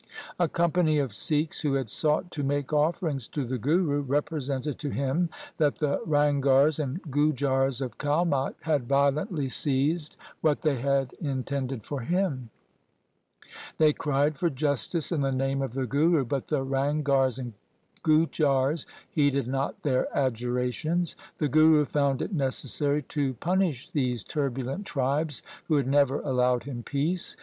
A company of Sikhs who had sought to make offerings to the Guru represented to him that the Ranghars and Gujars of Kalmot had violently seized 142 THE SIKH RELIGION what they had intended for him. They cried for justice in the name of the Guru, but the Ranghars and Gujars heeded not their adjurations. The Guru found it necessary to punish these turbulent tribes who had never allowed him peace.